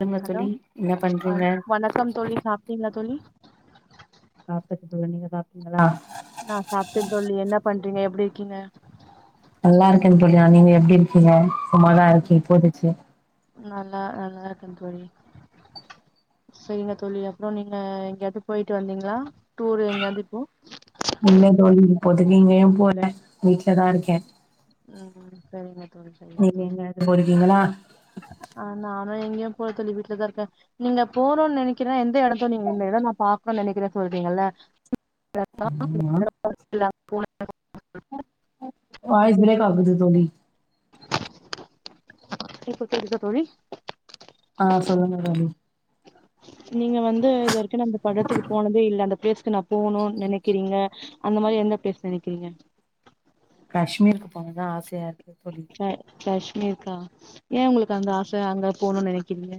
சொல்லுங்க ஹலோ தோழி என்ன அ பண்றீங்க வணக்கம் தோழி சாப்ட்டீங்ளா தோழி சாப்டாச்சு தோழி நீங்க சாப்ட்டீங்களா நா சாப்ட்டே தோழி என்ன பண்றீங்க எப்டி இருக்கீங்க நல்லா இருக்கந் தோழி அ நீங்க எப்டி இருக்கீங்க சும்மாதா ம் இருக்கே இப்போதக்ச்சி நல்லா நல்லா இருக்கே தோழி செரிங்க தோழி அப்றோ நீங்க எங்கேயாவ்து போய்ட்டு வந்தீங்ளா டூரு எங்கேயாவ்து இப்போ இல்ல தோழி இப்போதைக்கு எங்கயு போல வீட்லதா இருக்கே ம் செரிங்க தோழி செரிங்க நீங்க தோழி எங்கயாவது போயிருக்கீங்களா ஆ நானு எங்க்யு போல தோழி வீட்லதா இருக்கே நீங்க போனுன் நெனைக்கிற எந்த எடத்த நீங்க இந்த எட நா பாக்க நெனைக்கிறே சொல்றீங்கல்ல [inaudible] வாய்ஸ் ப்ரேக் ஆகுது தோழி இப்ப கேக்குதா தோழி ஆ சொல்லங்க தோழி நீங்க வந்து இது வெரிக்கு நம்ப படத்துக்கு போனதே இல்ல அந்த ப்ளேஸ்க்கு நா போனுன் நெனைக்கிறீங்க அந்த மாரி எந்த ப்ளேஸ் நெனைக்கிறீங்க காஷ்மீருக்கு போகதா ஆசையா இருக்குது தோழி காஷ்மீர்க்கா ஏ உங்களுக்கு அந்த ஆச அங்க போணுன் நெனெக்கிறீங்க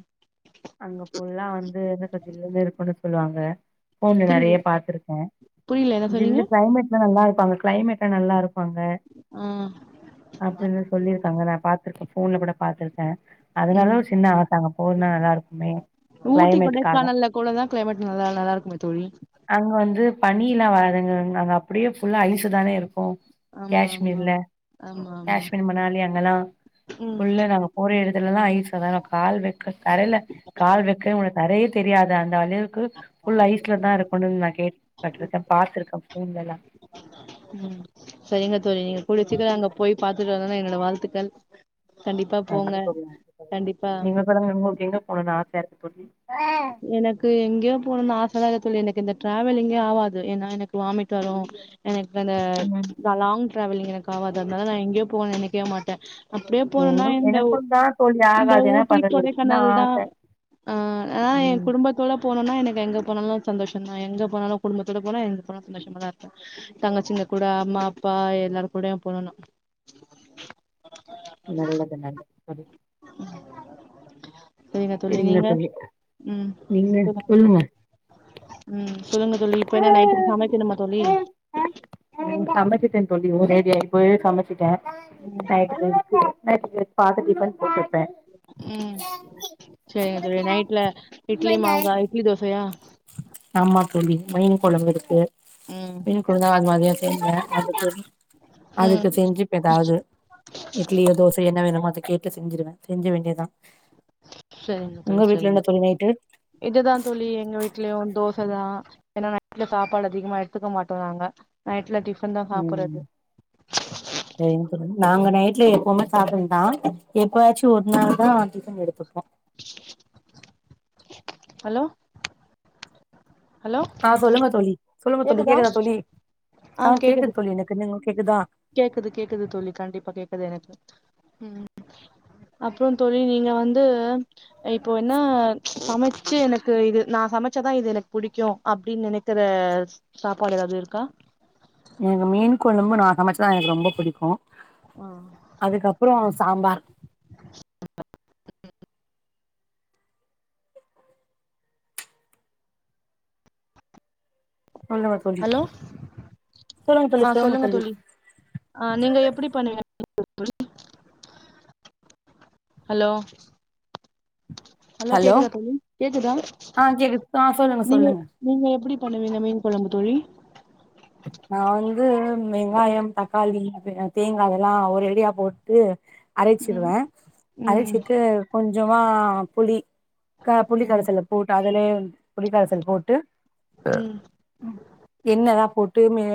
அங்க புல்லா வந்து எதிர் கச்சிலந்து ஹெல்ப் பண்ண சொல்லுவாங்க போன்ல புரில நெறையா பாத்துருக்கே புரில என்ன சொன்னீங்க ஜில்லு கிளைமேட் நல்லா இருக்கு அங்க கிளைமேட்டே நல்லா இருக்கு அங்க உம் அப்டின்னு சொல்லிருக்காங்க நா பாத்துர்க்கே போன்ல கூட பாத்துருக்கே அதுனால ம் ஒரு சின்ன ஆச அங்க போனா நல்லா இருக்கு ஊட்டி கொடைக்கானல்ல கூடதா கிளைமேட் நல்லா நல்லாருக்குமே தோழி அங்க வந்து பனியில்லா வாழுகுராங்க அங்க அப்டியே ஃபுல்லா ஐசுதானே இருக்கு ஆமா ஆமா காஷ்மீர்ல ஆமா ஆமா காஷ்மீர் மனாலி அங்கல்லா ம் புல்லா நாங்க போற எடத்துலல்லா ஐசாதாருக் கால் வைக்க தரைல கால் வைக்கவே முடியா தரையே தெரியாது அந்த அளகுக்கு ஃபுல் ஐஸ்லதா இருக்கணுன் நா கேள்விபட்ருக்கே பாத்ருக்கே போன்லல்லா உம் சரிங்க தோழி நீங்க கூடிய சீக்கரோ அங்க போய் பாத்துட்டு வந்துட என்னோட வாழ்த்துக்கள் கண்டிப்பா போங்க கண்டிப்பா அப்பறங்க உங்களுக்கு எங்க போணுன் ஆசையா இருக்கு தோழி எனக் எனக்கு எங்யூ போணுனு ஆசலா இல்ல தோழி எனக்கு இந்த டிரேவலிங்கே ஆவாது ஏனா எனக்கு வாமிட் வரு எனக் வெனே ம். நா லாங் டிரேவலிங் எனக்கு ஆவாது அதனால நா எங்கயு போக நெனைக்கவே மாட்டே அப்டியே போனுனா எங்களுக் இந்த எனக்கும் தான் தோழி இந்த ஆகாது என்ன ஊட்டி பண்றது ஒரு சின்ன கொடைக்கானல் தா ஆச ஆஹ் ஆ ஏ குடும் ம் குடும்பத்தோட போனுனா எனக்கு எங்க போனாலு சந்தோஷந்தா எங்க போனாலு குடும்பத்தோட போனா எங்க போனா சந்தோஷமாதா இருப்பே தங்கச்சிங்க கூட அம்மா அப்பா எல்லாரு கூடயு போணூனா நல்லதுங்க தோழி உம் இல்ல தோழி உம் நீங்க போனூ சொல்லுங்க உம் சொல்லுங்க தோழி இப்ப என்ன நைட்டுக்கு சமைக்கணுமா தோழி சமச்சிட்டே தோழி ஒரேடியா இப்பவே சமச்சிட்டே நைட்டுக்கு நைட்டுக்கு பாத்து டிபன் செஞ்சுப்பே உம் சேரி நைட்ல இட்லி மாவுதா இட்லி தோசையா ஆமாம் தோழி மீன் கொழம்பு இருக்கு மீன் கொழம்பிருக்கூ ம் மீன்கூடதா வக வகையா செஞ்சே அதுக்கு அதுக்கு ம் செஞ்சுப்பெதாவது இட்லியோ தோசை என்ன வேணுமோ அத கேட்டு செஞ்சுருவே செஞ்ச வேண்டியதா சேரிங்க உங்க தோழி வீட்ல சேரிங்க என்ன தோழி நைட்டு இதுதா தோழி எங்க வீட்லயூ தோசதா ஏனா நைட்ல சாப்பாடு அதிகமா எடுத்துக்க மாட்டோ நாங்க நைட்ல டிஃபன்தா சாப்புறது ஆ [inaudible] சேரிங் தோழி நாங்க நைட்ல எப்பவுமே சாதொந்தா எப்பயாச்சு ஒரு நாள்தா டிஃபன் எடுத்துப்போ ஹலோ ஹலோ ஆஹ் சொல்லுங்க தோழி சொல்லுங்க தோழி கேக்குதா தோழி ஆ கேக்குது தோழி எனக்கு நீங்க கேக்குதா கேக்குது கேக்குது தோழி கண்டிப்பா கேக்குது எனக்கு உம் அப்றொ தோழி நீங்க வந்தூ இப்பொ என்னா சமைச்சு எனக்கு இது நா சமைச்சதா இது எனக்கு புடிக்கூ அப்டின் நெனைக்குற சாப்பாடு எதாவ்து இருக்கா எனக்கு மீன் கொழம்பு நா சமைச்சுதா எனக்கு ரொம்ப புடிக்கு ஆ அதுக்கப்பறோ சாம்பார் சொல்லுங்க தோழி ஹலோ ஆ சொல்லுங்க தோழி ஆ நீங்க எப்படி பண்ணுவீங் ஹலோ ஹலோ கேக்குதா தோழி கேக்குதா ஆ கேக்குது ஆ சொல்லுங்க நீங்க சொல்லுங்க நீங்க எப்படி பண்ணுவீங்க மீன் கொழம்பு தோழி நா வந்து வெங்காயம் தக்காளி தேங்கா இதெல்லா ஒரேடியா போட்டு அரைச்சிருவ ம் ம் அரைச்சிட்டு கொஞ்சமா புளி க ம் புளிகரைசல்ல போட்டு அதுலயே புளிகரைசல் போட்டு ம் ம் என்னதா போட் விட்டு மி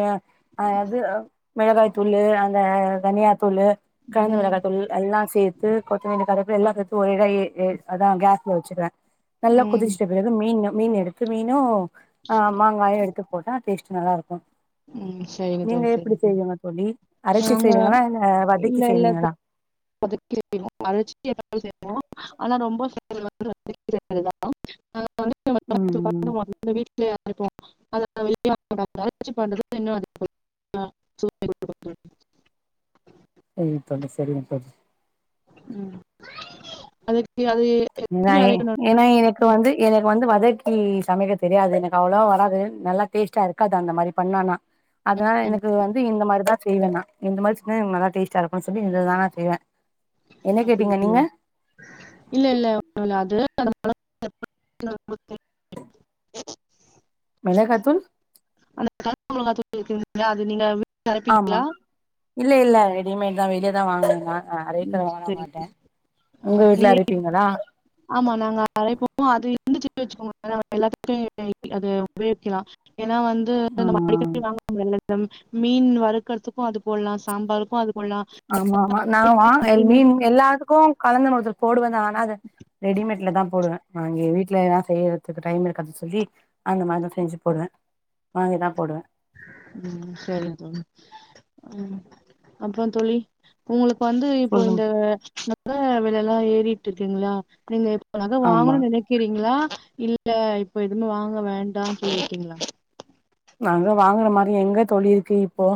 அது மிளகாய் தூளு அந்த தனியா தூளு காய்ந்த ம் மிளகாய் தூள் எல்லா சேத்து கொத்தமல்லி கருவப்பில எல்லா சேத்து ஒரேடியா அதா கேஸ்ல வச்சுருவ நல்லா ம் குதிச்சுட்ட பிறகு மீன் மீன் எடுத்து மீனு அ மாங்காயு எடுத்து போட்டா டேஸ்ட் டு நல்லா இருக்கு ம் சரிங்க நீங்க தோழி எப்டி சரிங்க தோழி செய்வீங்க அரச்சி நாங்க செய்வீங்களா இல்ல இல்ல வதக்கி இல்ல தோ செய்வீங்களா [unintelligible] ஆனா ரொம்ப [unintelligible] ம் ம் [unintelligible] வீட்டுலயா இருப்போம் [unintelligible] ஆ [inaudible] [unintelligible] சரிங்க தோழி சரிங்க தோழி ம் அதக்கு அதே நய் ஏனா எனக் இப்போ வந்து எனக்கு வந்து வதக்கி சமைக்க தெரியாது எனக்கு அவ்வளவா வராது நல்லா டேஸ்ட்டா இருக்காது அந்த மாதிரி பண்ணான்னா அதனால ம் எனக்கு வந்து இந்த மாரிதா செய்வ நா இந்த மாரி செஞ்சா நல்லா டேஸ்டா இருக்குனு சொல்லி இதுதா நா செய்வ அப்படியா இல்ல இல்ல ஒண்ணு இல்ல அது [inaudible] [unintelligible] மெளகாத்தூள் அந்த தனி மெளகா தூள் இருக்குதுங்க அது நீங்க வீ ஆமா இல்ல இல்ல ரெடிமேட் தா வெளியேதாவாங்கனுங்கனு நா ஆ ம் அரைக்கவள நா சரி மாட்ட ஆ உங்க வீட்ல நீங்க அரைப்பீங்களா ஆமா நாங்க அறைப்போ அது இருந்துச்சுன் வச்சுக்கோங்கள எல்லாத்துக்கு அது உபயோகிக்கலா ஏன்னா வந் ஆ ம் நம்ம அடிக்கடி வாங்க மீன் வறுக்கறதுகு அது போலா சாம்பாருக்கு அது போலா ஆமா ஆமா நா வாங் மீன் எல்லாத்துக்கு கலந்து தூள் போடுவந்தா ஆனா அது ரெடிமேட்ல தா போடுவே நாங்க வீட்ல எல்லா செய்றதுக்கு டைம் இருக்காது சொல்லி அந்த மாரிதா செஞ்சு போடுவ வாங்கி தா போடுவ ம் சரி தோழி ம் அப்புற தோழி உங்களுக்கு வந்து இப்போ சொல்லுங் இந்த நக வெலைல்லா ஏறிட்டு இருக்கீங்களா நீங்க நக ஆமா வாங்கணுனு நெனைக்கிறீங்ளா இல்ல இப்ப எதுவுமே வாங்க வேண்டா சொல்லிருக்கீங்களா நக வாங்குற மாரி எங்க தோழி இருக்கு இப்போ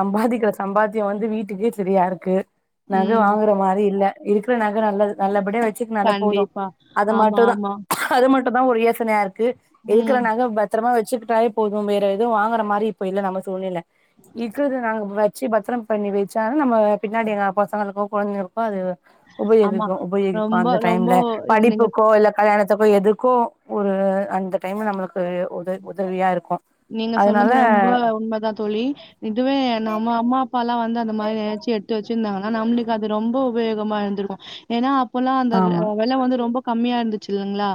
சம்பாதிக்கிற சம்பாத்தியோ வந்து வீட்டுக்கே சரியாருக்கு நக ம் வாங்குற மாரி இல்ல இருக்கிற நக நல்லது நல்லபடியா வச்சுக்குனால போது கண்டிப்பா அத ஆமா மட்டுதா ஆமா அது மட்டுதா ஒரு யோசனையா இருக்கு இருக்குற ம் நகைய பத்தரமா வச்சுட் டாயே போது வேற எதுவு வாங்குற மாரி இப்ப இல்ல நம்ம சூழ்நில இக்குறத நக வச்சு பத்திரம் பண்ணி வெச்சாலு நம்ம பின்னாடி நா பசங்களுக்கோ கொழந்தைகளுக்கோ அது ஆமா உபயோகிக்கு உபயோகிக்கு ரொம்ப அந்த ரொம்ப டைம்ல இது நீங்க படிப்புக்கோ இல்ல கல்யாணத்துக்கோ எதுக்கு ஒரு அந்த டைம் நம்மளுக்கு உதவி உதவியா இருக்கு நீங்க சொன்னது அதனால ரொம்ப உண்மதா தோழி இதுவே நம்ம அம்மா அப்பால்லா வந்து அந்த மாரி நெனச்சி எ த்து வச்சிருந்தாங்கன்னா நம்மளுக்கு அது ரொம்ப உபயோகமா இருந்திருக்கு ஏனா அப்பல்லா அந்த வெ ஆமா அ வெல வந்து ரொம்ப கம்மியா இருந்துச்சு இல்லங்ளா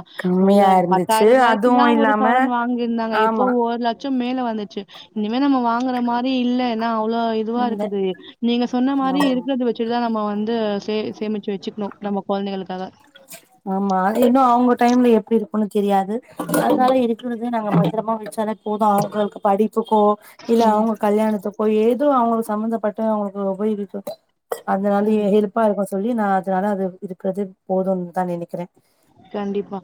எவ்ளோ கம்மியா இருந்துச்சு பத்தாயிரூபாய்க்குல்லா அதுவு ஒரு இல்லாம சவரன் வாங்கிருந்தாங்க இப்போ ஆமா ஒரு ல ச்சோ மேல வந்துச்சு இனிமே நம்ம வாங்குற மாரி இல்ல எனா அவ்ளோ இதுவா இல்ல இருக்குது நீங்க சொன்ன மாரி ஆமா இருக்கிறது வ ச்சுட்டுதா நம்ம வந்து சே சேமிச்சு வச்சுக்கணு நம்ம கொழந்தைகளுக்காக ஆமா இன்னு அவங்க டைம்ல எப்டி இருக்குன்னு தெரியாது அதனால ம் இரு க்குறத நம்ம பத்திரமா வச்சாலா போது அவங்களுக்கு படிப்புக்கோ இல்ல ம் அவங்க கல்யாணத்துக் கோ ஏதோ அவங்களுக் சம்பந்தப்பட்ட அவங்களுக்கு உபயோகிக்கு அதனாலயே ம் ஹெல்ப் பா இருக்கு சொல்லி நா அதனால அது இருக்கறது போதுன்தா நெனைக்கிறே கண்டிப்பா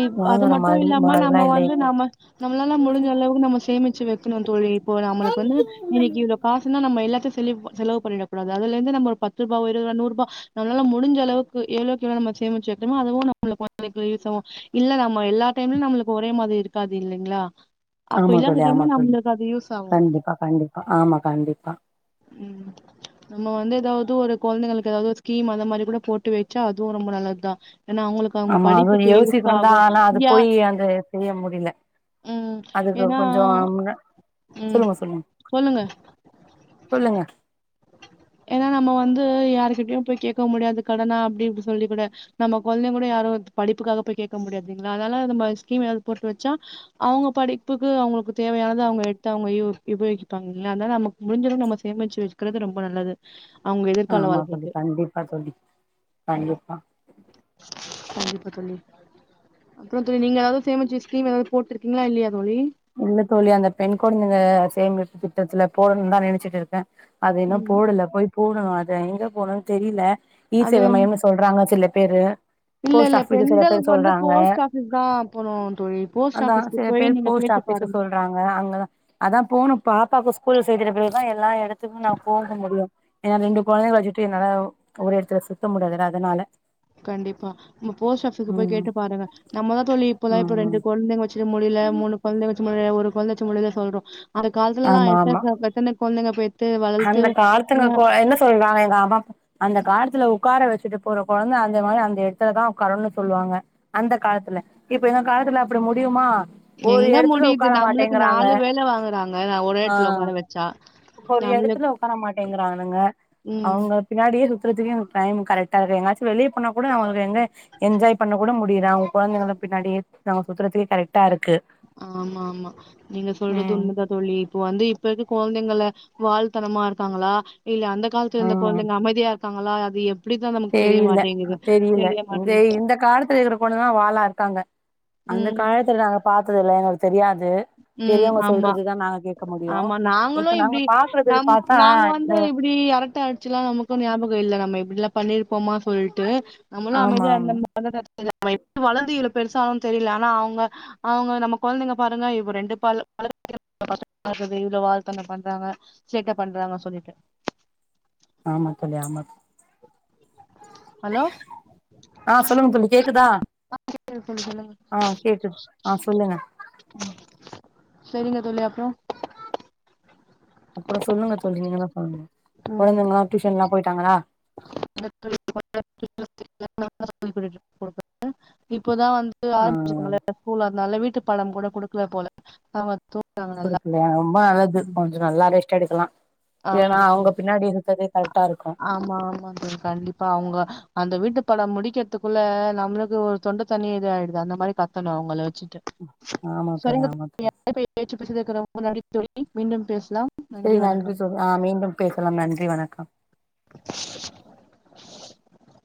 இப் அது வாங்குற மட்டு மாரி இல்லாம நம்ம மாரிலா இல்ல வந்து இப்போ நம்ம நம்மளாலா முடிஞ்ச அளவுக்கு நம்ம சேமிச்சு வைக் கனு தோழி இப்ப நம்மளுக்கு வந்து இன்னைக்கு இவ்ளோ காசு நா நம்ம எல்லாத்தையு செலவு செலவு பண்ணிடக்கூடாது அதுலந்து நம்ம ஒரு பத்து ரூபா இருவது ரூபா நூருபா நம்மளால முடிஞ்ச அளவுக்கு எவ்ளோக்கு எவ்ளோ நம்ம சேமிச்சு வெக்கறமோ அதுவு ந ம்ம கொழந்தைக்கு யூஸாகு இல்ல நம்ம எல்லா டைம்லு நம்மளுக்கு ஒரே மாதிரி இருக்காது இல்லைங்ளா ஆமா தோழி ஆமா தோழி ஆகு கண்டிப்பா கண்டிப்பா ஆமா கண்டிப்பா ம் நம்ம வந்து எதாவ்து ஒரு கொழந்தைகளுக்கு எதாவது ஒரு ஸ்கீம் அந்த மாரி கூட போட்டு வச்சா அதுவும் ரொம்ப நல்லதுதா ஏனா அவங்களுக் ஆமா அதுவு யோசிக்கிறந்தா ஆனா அது போய் அந்த செய்ய முடில ம் அதுக்கு ஏன்னா கொஞ்சோ முன்ன ம் சொல்லுங்க சொல்லுங்க சொல்லுங்க சொல்லுங்க ஏனா நம்ம வந்து யாருக்கிட்டயு போய் கேட்க முடியாது கடனா அப்டி இப்டி சொல்லி கூட நம்ம கொழந்தைங்க கூட யாரு படிப்புக்காக போய் கேக்க முடியாதீங்களா அதனால நம்ம ஸ்கீம் எதாவ்து போட்டு வச்சா அவங்க படிப்புக்கு அவங்களுக்கு தேவையானத அவங்க எடுத்து அவங்க யூ உபயோகிப்பாங்க இல்லையா அதனால நம முடிஞ்ச அளவு நம்ம சேமிச்சு வச்க்கறது ரொம்ப நல்லது அவங்க எதிர்கால ஆமா தோழி வாழ்க்கைக்கு கண்டிப்பா தோழி கண்டிப்பா கண்டிப்பா தோழி அப்றோ தோழி நீங்க எதாவ்து சேமிச்சு ஸ்கீம் எதாவ்து போட்ருக்கீங்களா இல்லையா தோழி இல்ல தோழி அந்த பெண் கொழந்தைங்க சேமிப்பு திட்டத்துல போடணுந்தா நெனச்சிட்டு இருக்க அது இன்னு ம் போடல போய் போடணு அத எங்க போடணுன் தெரில இ அது சேவை வந்து மையம்னு சொல்றாங்க சில பேரு இல்ல போஸ்ட் இல்ல ஆஃபீஸ சில பேர் பெண்களுக்கு வந்து சொல்றாங்க போஸ்ட் ஆஃபிஸ் தான் போனும் தோழி போஸ்ட் அதா ஆஃபிஸ்க்கு சில போய் பேர் நீங்க போஸ்ட் கேட்டு ஆஃபீஸ பாருங்க சொல் விட்றாங்க அங்கதா அதா போனு பாப்பாக்கு ஸ்கூல் சேக்கிரப்போதா எல்லா எடத் துகும் நா போக முடியு ஏனா ரெண்டு கொழந்தைங்ள வச்சுட்டு என்னாலா ஒரு எடத்துல சுத்த முடியாதுல அதனால கண்டிப்பா ம்ம போஸ்ட் ஆபுகு போய் ம் கேட்டு பாருங்க நம்மதா தோழி இப்போலா ம் இப்ப ரெண்டு ம் கொழ்ந்தைங்க வச்சு ட்டு முடில மூணு கொழ்ந்த வச்சு முடில ஒரு கொழ்ந்த வச்சு முடில சொல்றோ அந்த காலத்துல்லா ஆமா ஆமா எத்தன பெத்துனு கொழ்ந்தைங்க பெத் அந்த காலத்துங்க கொ என்ன சொல்றாங்க எங்க அம்மாப்பா அந்த காலத்துல உக்கார வச்சுட்டு போற கொழந்த அந்த மாரி அந்த எட்த்துலதா உக்காருன்னு சொல்வாங்க அந்த காலத்துல இப்ப இந்த காலத்துல அப்படி முடியுமா ஒரு எங்க எடத்துல முடியுது உக்கார நம்மளுக்கு மாட்டேங்கிறாங்க நாலு வேல வாங்குறாங்க நா ஒரே ஆ எட்த்துல ஒக்கார வச்சா ஒரு நம்மளுக்கு எடத்துல உக்கார மாட்டேங்கிறானுங்க ம். அவ்ங்க பின்னாடியே சுத்துறதுக்கே எனக்கு டைமு கரெக்ட்டா இருக்கு எங்காச் வெளிய போனா நமளுக்கு எங்க என்ஜாய் பண்ண கூட முடியல அவ்ங்க கொழந்தைங்கள பின்னாடியே நம்ம சுத்துறதுக்கே கரெக்ட்டா இருக்கு ஆமா ஆமா நீங்க சொல்றது ம் உண்ப தோழி இப்போ வந்து இப்ப இருக்க கொழ்ந்தைங்கள வால்தனமா இருக்காங்களா இல்ல அந்த கால்த்துல இருந்த ஆமா கொழந்தைங்க அமைதியா இருக்காங்களா அது எப் தெரில அ தெரில இந்த மாட்டேங்குது. இந்த காலத்துல இருக்கிற கொழ்ந்ததா வாலா இருக்காங்க அந்த ம், காலத்துல நாங்க பாத்தது இல்ல எங்களுக்கு தெரியாது ம். பெரியவ்ங்க ஆமா. சொல்றதுதா நாங்க கேக்க முடியு ஆமா நாங்களு இப்ப நாங்க இப்டி பாக்குறது பாத்தா இந்த ட்ட அடிச்சுலா நமக்கு ஞாபகோ இல்ல நம்ம இப்டிலா பண்ணிர்போமா சொல்ட்டு நம்மளு ஆமா அமைதியா ஆமா இருந்த [inaudible] வழந்து இவ்ளோ பெருசாவு தெரில ஆனா அவ்ங்க அவ்ங்க நம்ம கொழ்ந்தைங்க பாருங்க எவ் ஒர் ரெண்டுப்பாலு [inaudible] காட்றது இல்ல வாழ்தனோ பண்றாங்க சேட்ட பண்றாங்க சொல்லிட்டு ஆமா தோழி ஆமா ஹலோ ஆ சொல்லுங்க தோழி கேக்குதா ஆ கேக்குது தோழி சொல்லுங்க ஆ கேக்குது ஆ சொல்லுங்க ம் செரிங்க தோழி அப்றோ அப்றோ சொல்லுங்க தோழி நீங்க தா சொல்னு ம் கொழந்தைங்ளா டியூஷன்லா போய்ட்டாங்களா [inaudible] இப்போதா வந்து ஆ ஆரமிச்சிருக்காங்கள எல்லா ஸ்கூலு அதுனால வீட்டுப்பாடம் கூட குடுக்ல போல அவ குடுக்லியா ரொம்ப நல்லது கொஞ்சு நல்லா ரெஸ்ட் எடுக்குலா ஆ ஏனா அவ்ங்க பின்னாடி இருக்கதே கரெக்ட்டா இருக்கு ஆமா ஆமாந் தோழி கண்டிப்பா அவ்ங்க அந்த வீட்டு பாடம் முடிக்கற்துக்குள்ள நம்ளுக்கு ஒர் தொண்ட தண்ணி இது ஆய்டுது அந்த மாரி கத்தணு அவுங்கள வச்சுட்டு ஆமா தோழி ஆமா தோழி ஓகே பேச்சு பேசினே இருக்ககுறோ ரொம்ப நன்றி தோழி மீண்டும் பேஸ்லா சேரி நன்றி தோழி அ மீண்டும் பேசலாம் நன்றி வணக்கம்